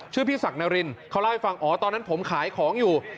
พี่ศักดิ์นารินเขาเล่าให้ฟังอ๋อตอนนั้นผมขายของอยู่